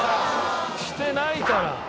してないから！